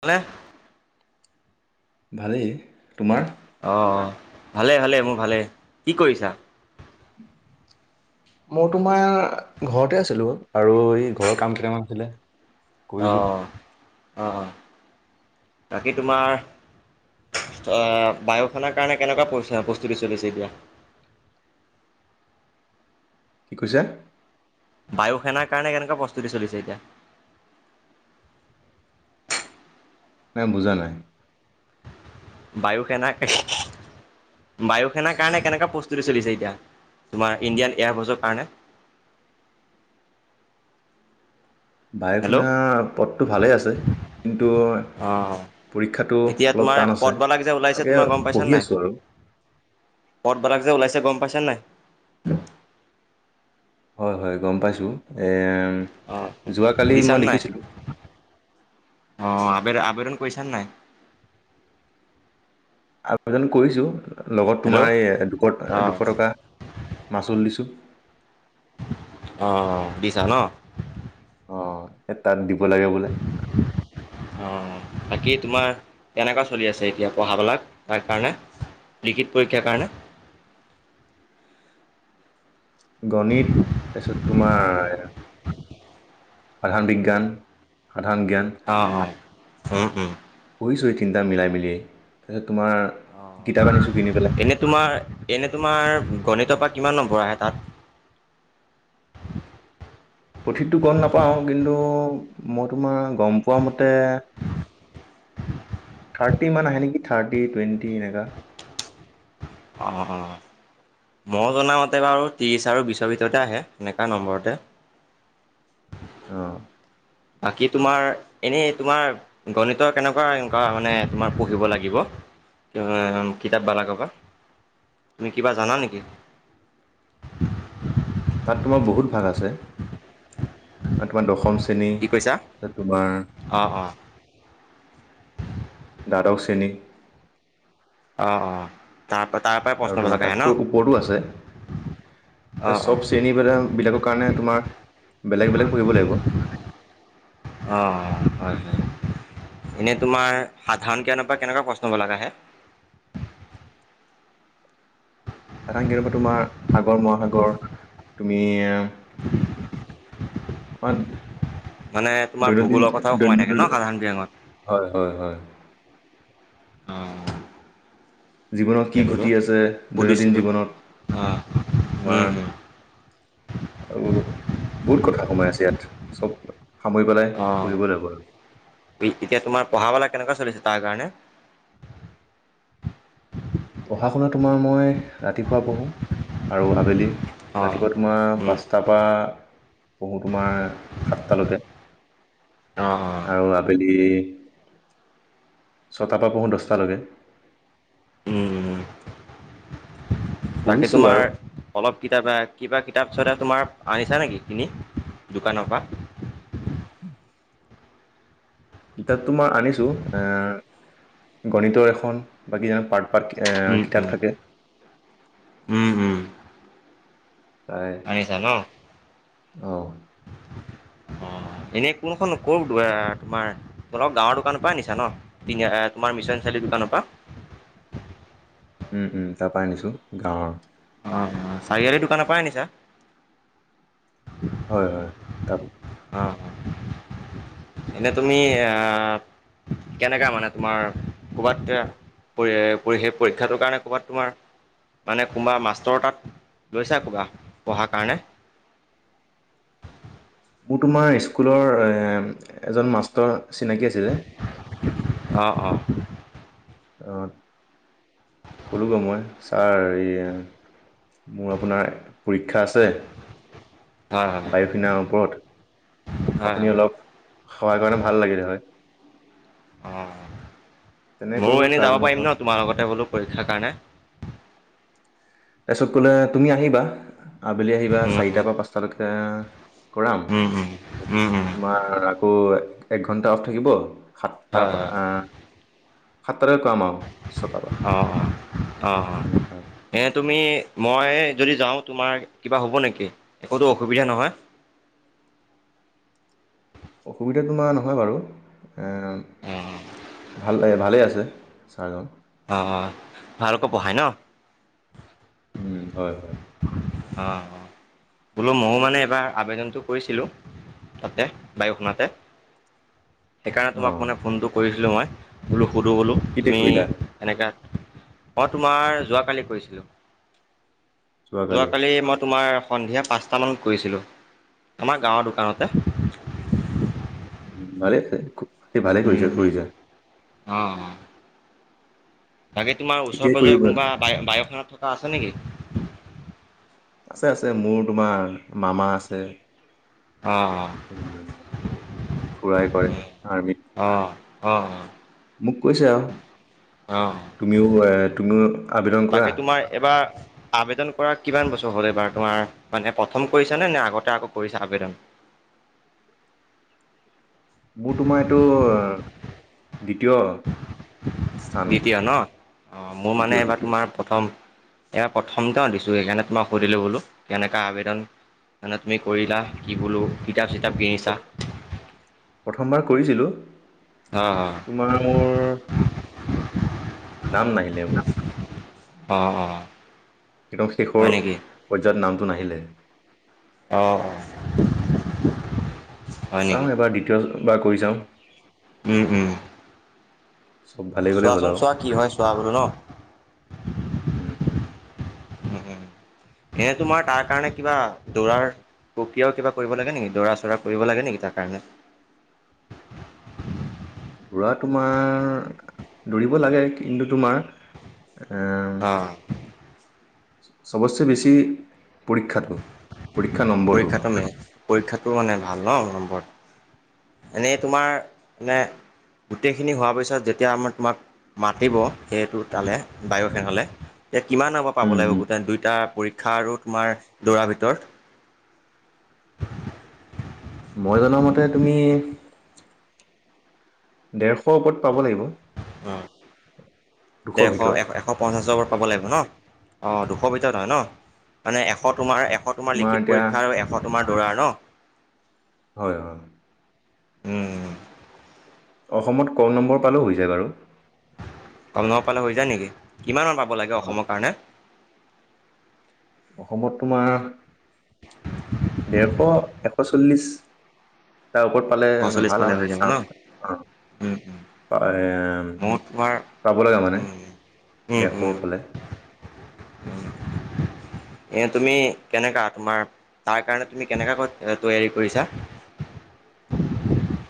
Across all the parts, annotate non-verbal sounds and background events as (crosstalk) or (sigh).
হালে। ভালেই। তোমাৰ? অ ভালে ভালেই মোৰ ভালে কি কৰিছা। (unintelligible) মই তোমাৰ ঘৰতে আছিলো আৰু এই ঘৰৰ কাম কেইটামান আছিলে। অ কৰিলো। অ বাকী তোমাৰ। আহ বায়ু সেনাৰ কাৰণে কেনেকুৱা প্ৰস্তুতি চলিছে এতিয়া। (inaudible) কি কৈছে। বায়ু সেনাৰ কাৰণে কেনেকুৱা প্ৰস্তুতি চলিছে এতিয়া মে বুজা নাই বায়ু সেন বায়ু সেনাৰ কাৰণে কেনেকুৱা প্ৰস্তুতি চলিছে এতিয়া তোমাৰ ইণ্ডিয়ান এয়াৰবৰ্ছৰ কাৰণে (inaudible) বায়ু হেল্ল' সেনাপথটো ভালে আছে। কিন্তু অ পৰীক্ষাটো এতিয়া অলপ তোমাৰ টান আছে। পদবালাক যে ওলাইছে তাকে তোমাৰ গম পাইছা পঢ়ি নাই। আছোঁ আৰু। পদবাৰাক যে ওলাইছে গম পাইছে নাই হয় হয় গম পাইছোঁ এ অ'। যোৱাকালি দিছা মই নাই? দেখিছিলোঁ। অ আবে আবেদন কৰিছা নে নাই, আবেদন কৰিছো। লগত হেল্ল' তোমাৰ এই দুশ অ', দুশ টকা মাচুল দিছোঁ। অ দিছা ন। অ তাত দিব লাগে বোলে। অঁ বাকী তোমাৰ কেনেকুৱা চলি আছে এতিয়া পঢ়াবিলাক তাৰ কাৰণে? লিখিত পৰীক্ষাৰ কাৰণে? (inaudible) গণিত তাচত তোমাৰ সাধাৰণ বিজ্ঞান সাধাৰণ জ্ঞান অঁ অঁ উম উম পঢ়িছোঁহ তিনিটা মিলাই মিলিয়ে তাৰছ অ এনেই তোমাৰ এনেই তোমাৰ গণিতৰ পৰা কিমান নম্বৰ আহে তাত? সঠিতো গম নাপাওঁ কিন্তু মই তোমাৰ গম পোৱা মতে থাৰ্টি ইমান আহে নেকি থাৰ্টি টুৱেণ্টি এনেককা অ। মই জনামতে বাৰু ত্ৰিছ আৰু বিশছৰ ভিতৰতে আহে এনেকুৱা নম্বৰতে অঁ বাকী তোমাৰ এনেই তোমাৰ গণিত কেনেকোৱা এনেকোৱা মানে তোমাৰ পঢ়িব লাগিব কিতাপবালাৰ পৰা তুমি কিবা জানা নেকি? (inaudible) ভাল আছে তোমাৰ দশম চে নি কি কৈছা তোমাৰ অঁ অঁ সদৌ শ্ৰেনীত অ অ তাৰপা আৰু তোমাৰ তাতকৈ ওপৰতু আছে। এ অঁ অঁ চব শ্ৰেণী বিলাকৰ কাৰণে তোমাৰ বেলেগ বেলেগ পঢ়িব লাগিব। (inaudible) অ হয় এনে তোমাৰ সাধাৰণ গ্ৰীয়ানৰ পৰা কেনেকুৱা প্ৰশ্ন বিলাক আহে। সাধাৰণ কেতিয়াবা তোমাৰ সাগৰ মহাসাগৰ তুমি (inaudible) হয়। মানে তোমাৰ দৈনন্দিন ভূগোলৰ কথাও সোমাই থাকে ন সাধাৰণ জ্ঞানত? হয় হয় হয়। অ জীৱনত তাকে কি বোলো ঘটি আছে দৈনন্দিন সুধিছিলোঁ। জীৱনত অ', তোমাৰ উম, উম, আৰু বহুত কথা সোমাই আছে ইয়াত চব সামৰি পেলাই অ পঢ়িব লাগিব আৰু এতিয়া তোমাৰ পঢ়া বালা কেনেকুৱা চলিছে? তাৰ কাৰণে পঢ়া শুনা তোমাৰ মই ৰাতিপুৱা পঢ়োঁ আৰু আবেলি অ'। ৰাতিপুৱা তোমাৰ উম, পাঁচটাৰ পৰা পঢ়োঁ তোমাৰ সাতটালৈকে অ', অ', আৰু আবেলি ছটাৰ পৰা পঢ়ো দহটালৈকে উম উম তাকে পঢ়িছোঁ বাৰু তোমাৰ অলপ কিতাপ কিবা কিতাপ ছতে তোমাৰ আনিছা নেকি কিনি দোকানৰ পৰা (inaudible) কিতাপতো মই আনিছো এ গণিতৰ এখন বাকি জানো পা আ উম, কিতাপ উম, থাকে উম, উম, আনিছা ন? অ'। (inaudible) এনে কোনখন ক তোমাৰ? অলপ ডাঙৰ দোকানৰ পৰা আনিছা ন? তোমাৰ মিছ চাৰিআলি দোকানৰ পা? উম উম। তাৰপাই আনিছো গাঁৱৰ। অ' অ' চাৰিআলিৰ দোকানৰ পৰাই আনিছা? হয় হয়। তাৰ অ' অ', এনে তুমি আ কেনেকা মানে, তোমাৰ ক'ৰবাত পৰীক্ষাটোৰ কাৰণে ক'বাত তোমাৰ মানে কোনোবা মাষ্টৰৰ তাত লৈছা কিবা? পঢ়াৰ কাৰণে (inaudible) মোৰ তোমাৰ স্কুলৰ এজন মাষ্টৰ চিনাকী আছিলে। অ' অ'। অ' ক'লো বাৰু মই। ছাৰ এ মোৰ আপোনাৰ, পৰীক্ষা আছে। হয় বায়ুসেনাৰ ওপৰত। হয় হয় আপুনি হয় অলপ সহায় কৰিলে, ভাল লাগিলে হয়! অ' তেনে ময়ো ক'লোগৈ এনে যাব ছাৰজনৰ পাৰিম ওচৰত ন তোমাৰ লগতে বোলো পৰীক্ষাৰ কাৰণে? তাৰপিছত ক'লে তুমি আহিবা। আবেলি আহিবা হয় চাৰিটাৰ পৰা পাঁচটালৈকে কৰাম। হয় তোমাৰ আকৌ এক ঘন্টা অফ থাকিব। সাতটা পা আ অ' অ', অ' অ'। তেনেকৈ আৰু। এ তুমি মই যদি যাওঁ, তোমাৰ কিবা হ'ব নেকি? একোতো অসুবিধা নহয়! (inaudible) অসুবিধা তোমাৰ নহয় বাৰু! এ অ ভাল ভালেই আছে। ছাৰজন অ' অ' ভালকৈ পঢ়াই ন? উম হয়। অ' অ'। বোলো ময়ো মানে এইবাৰ আবেদনটো কৰিছিলো তাতে, বায়ুসেনাতে। (inaudible) সেইকাৰণে তোমাক অ', মানে ফোনটো কৰিছিলোঁ মই। বোলো সুধোঁ বোলো, কেতিয়া তুমি কৰিলা? এনেকা মই তোমাৰ যোৱাকালি কৰিছিলো। যোৱাকালি, মই তোমাৰ সন্ধিয়া পাঁচটামানত কৰিছিলোঁ, আমাৰ গাঁৱৰ দোকানতে ভালে হৈছে, ভালে উম কৰিছা, উম কৰিছা। অ' অ'। বাকী তোমাৰ কেতিয়া কৰিব, ওচৰে-পাজৰে কোনোবা বায়-বায়ুসেনাত থকা আছে নেকি? আছে আছে। মোৰ তোমাৰ মামা আছে। তোমাৰ অ', অ'। খুৰাই কৰে আৰ্মিত। উম, অ'। মোক কৈছে আৰু, অ', তুমিও এ তুমিও। আবেদন কৰা। বাকী তোমাৰ এবাৰ। আবেদন কৰা কিমান বছৰ হ'ল? এইবাৰ তোমাৰ মানে প্ৰথম কৰিছা নে? নে আগতে আকৌ কৰিছা আবেদন। (inaudible) মোৰ তোমাৰ এইটো। দ্বিতীয় স্থান মানে, দ্বিতীয় ন? অ', মোৰ মানে দ্বিতীয়, এইবাৰ দ্বিতীয়। তোমাৰ প্ৰথম। এবাৰ প্ৰথম তেওঁ দিছো। সেইকাৰণে তোমাক সুধিলো বোলো, কেনেকা আবেদন। মানে তুমি কৰিলা, কি বোলো কিতাপ-চিতাপ। প্ৰথমবাৰ কৰিছিলো। হয় হয় তোমাৰ মোৰ। নাম নাহিলে মোৰ। অ অ। কি শেষৰ, হয় নেকি? পৰ্যায়ত নামটো নাহিলে। আহ। চাওঁ এবাৰ দ্বিতীয়বাৰ কৰি চাওঁ। উমম। চব ভালেই ভালেই হ'ল আৰু, হয় চোৱা বোলো ন? উম। (unintelligible) সেয়ে তোমাৰ তাৰ কাৰণে কিবা দৌৰাৰ। প্ৰক্ৰিয়াও কিবা কৰিব লাগে নেকি দৌৰা চৌৰা কৰিব লাগে নেকি তাৰ কাৰণে। (unintelligible) দৌৰা তোমাৰ, দৌৰিব লাগে কিন্তু তোমাৰ। আহ। অ'। চবচে বেছি। পৰীক্ষাটো, পৰীক্ষা নম্বৰটো। পৰীক্ষাটো মেইন পৰীক্ষাটো মানে ভাল ন নম্বৰত এনেই তোমাৰ, মনে গোটেইখিনি হোৱাৰ পিছত যেতিয়া আমাৰ তোমাক। মাতিব সেইটো তালে বায়ু সেনালে এতি কিমান আ পাব উম, লাগিব উম। গোটেই দুইটা। ইক্ষা আৰু তোমাৰ দৌৰ ভিতৰত। মই জনা মতে তুমি। দেৰশ ওপৰত পাব লাগিব। অ, দুশৰ দেৰশ ভিতৰত এ এশ পঞ্চাশৰৰত পাব লাগিব। ন অঁ দুশৰ ভিতৰত হয় ন, মানে এশ তোমাৰ। এশ তোমাৰ লিখিত, পৰীক্ষা আৰু এশ তোমাৰ দৌৰাৰ ন। হয় হয়। উম। অসমত ক নম্বৰ পালেঁ যায় বাৰু। কম নম্বৰ পালে হৈ যায় নেকি? কিমান মান পাব লাগে হয় অসমৰ কাৰণে। অসমত তোমাৰ, দেৰশ এশ। শ চল্লিশ তাৰ ওপৰত পালে এশ চল্লিছ ভাল পালে হৈ আৰু যাব চ। ন উম উম, এ মোৰ তোমাৰ পাব, লগা মানে। উম দেৰস পালে। অ। এ তুমি কেনেকা তোমাৰ তাৰ কাৰণে তুমি কেনেকা ক তৈয়াৰি কৰিছা। (unintelligible) (unintelligible)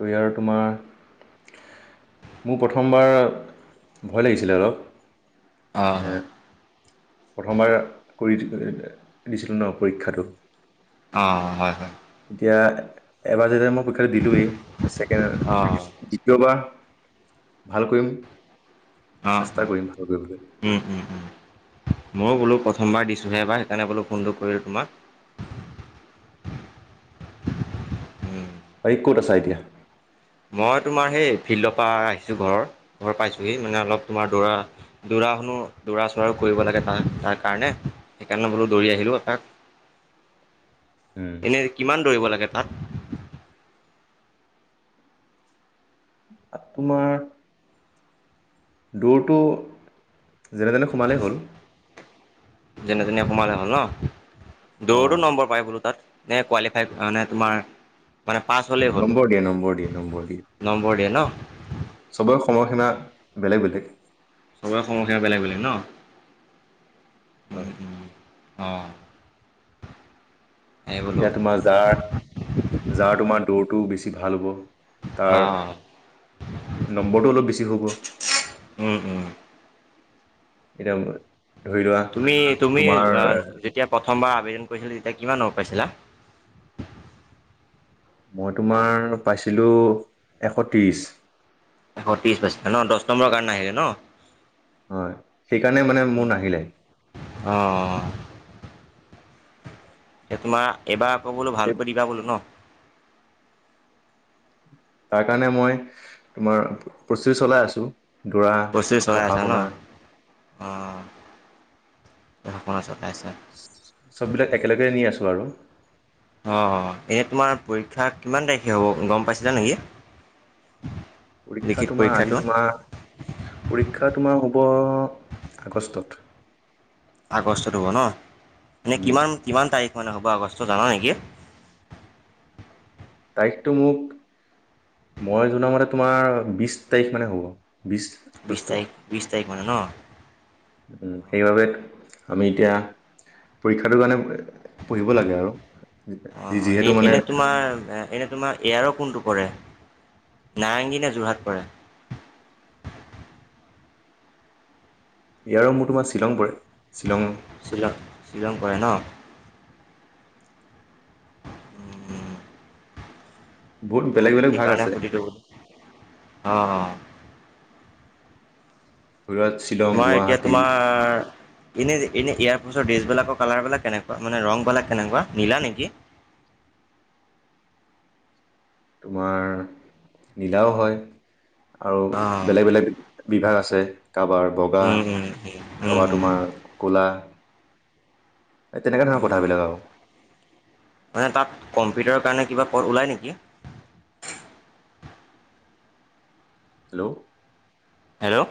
তো আৰু তোমাৰ। মোৰ প্ৰথমবাৰ, ভয় লাগিছিলে অলপ। অ মানে প্ৰথমবাৰ কৰি দিছিলোঁ ন পৰীক্ষাটো। অ হয় হয়। এতিয়া এবাৰ যেতিয়া মই পৰীক্ষাটো দিলোঁৱেই ছেকেণ্ড অঁ দ্বিতীয়বাৰ ভাল কৰিম। আহ চেষ্টা অ কৰিম ভাল কৰিবলৈ উম উম উম। ময়ো বোলো প্ৰথমবাৰ দিছোঁহে এবাৰ সেইকাৰণে বোলো ফোনটো কৰিলোঁ তোমাক। উম ভাই ক'ত আছ এতিয়া? মই তোমাৰ সেই ফিল্ডৰ পৰা আহিছো ঘৰ, ঘৰ পাইছোহি মানে অলপ তোমাৰ দৌৰা দৌৰা দৌৰা শুনো দৌৰা চৌৰাৰো কৰিব লাগে ত তাৰ কাৰণে সেইকাৰণে বোলো দৌৰি আহিলোঁ এপাক। (inaudible) এনে কিমান দৌৰিব লাগে তাত? তোমাৰ দৌৰটো যেনে তেনে সোমালেই হ'ল। যেনে তেনে সোমালে হ'ল ন অ দৌৰৰতো নম্বৰ পাই বোলো তাত? নে কোৱালিফাইমানে তোমাৰ। মানে পাছ হ'লেই হ'ল নম্বৰদিয়ে নম্বৰদিয়ে নম্বৰ দিয়ে ন নম্বৰদিয়ে। চবৰে সময়সীমা বেলেগ বেলেগ। চবৰে সময়সিমা বেলেগ বেলেগ ন? অ। অ অ। এতিয়া তোমাৰ যাৰ যাৰ তোমাৰ দৌৰটো বেছি ভাল হ'ব। তাৰ অঁ নম্বৰটো অলপ বেছি হ'ব। উম উম মোৰ। তুমি তুমি যেতিয়া প্ৰথমবাৰ আবেদন। কৰিছিলা তেতিয়া কিমান নম্বৰ পাইছিলা? মই তোমাৰ পাইছিলোঁ এশ ত্ৰিশ। এশ ত্ৰিশ পাইছিলা'ন দহ নম্বৰ কাৰণে নাহিলে ন? হয় সেইকাৰণে মানে মোৰ নাহিলে। অঁ এ তোমাৰ এবাৰ আকৌবোলো এই ভালকৈ দিবা বোলো ন? তাৰ কাৰণে মই তোমাৰ প্ৰস্তুতি চলাই আছো। প্ৰস্তুতি চলাই আছা ন অ চব বিলাক একেলগে নি আছো আৰু। অঁ এনেই তোমাৰ পৰীক্ষা কিমান তাৰিখে হ'ব গম পাইছিলা নেকি? পৰীক্ষা লিখিত তোমাৰ আজি পৰীক্ষাটো তোমাৰ পৰীক্ষা তোমাৰ আগষ্টত। আগষ্টত হ'ব ন এনেই উম, কিমান কিমান তাৰিখ হয় নহ'ব আগষ্ট জানা নেকি? তাৰিখত ম মই জনামতে তোমাৰ বিশ তাৰিখ মানে হ'ব। বিছ বিশ আগষ্ট তাৰিখ বিশ তাৰিখ মানে ন। উ সেইবাবে আমি এতিয়া পৰীক্ষাটোৰ কাৰণে পঢ়িব লাগে আৰু অ এ যিহেতু মানে এনে তোমাৰ এনে তোমাৰ এয়াৰো কোনটো কৰে, নাৰেংগীনে যোৰহাট পৰে? (inaudible) ইয়াৰ মোৰ তোমাৰ শ্বিলং পৰে শ্বিলং শ্বিলং শ্বিলং কৰে ন উম উম। বহুত ত বেলেগ বেলেগ ভাগ সেইকাৰণে আছে সুধিলো অ। ধৰি লোৱা শ্বিলং তোমাৰ এতিয়া গুৱাহাটী তোমাৰ এনে দি এনে এয়াৰপৰ্ছৰ ড্ৰেছবলাকৰ কালাৰ বিলাক কেনেকুৱা মানে ৰংবিলাক কেনেকুৱা নীলা নেকি। (unintelligible) (inaudible) তোমাৰ নীলাও হয়। (unintelligible) অ আৰু বেলেগ বেলেগ বিভাগ আছে। কাৰোবাৰ বগা উম উম উম কাৰোবাৰ উম তোমাৰ ক'লা। এই তেনেকোৱা ধৰণৰ উম কথাবিলাক আৰু। (unintelligible) মানে তাত কম্পিউটাৰৰ কাৰণে কিবা পথ ওলায় নেকি। (unintelligible) হেল্ল'। হেল্ল'।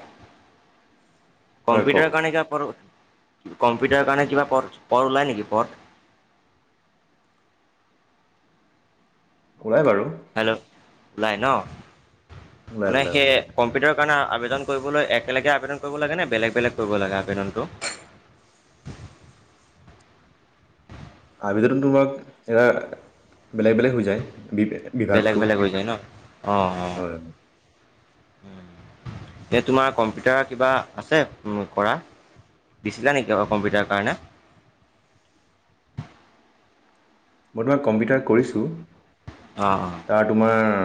হয় কওক কম্পিউটাৰ কাৰনে কিবা পথ। কম্পিউটাৰৰ কাৰণে কিবা পথ পথ ওলাই নেকি পথ (unintelligible) ওলায় বাৰু হেল্ল' ওলাই ন ওলাই মানে ওলাই সেই ওলাই কম্পিউটাৰ কাৰণে আবেদন কৰিবলৈ একেলগে আবেদন কৰিব লাগে নে বেলেগ বেলেগ কৰিব লাগে আবেদনটো (unintelligible) (inaudible) আবদনতো তোমাক এৰা বেলেগ বেলেগ হৈ যায় বি বেলেগ বিভাগটো বেলেগ হৈ যায় ন অঁ অঁ হয় হয় এই তোমাৰ কম্পিউটাৰ কিবা আছে উম কৰা দিছিলা নেকি কম্পিউটাৰৰ কাৰণে (inaudible) মই তোমাক কম্পিউটাৰ কৰিছোঁ অঁ অঁ তাৰ তোমাৰ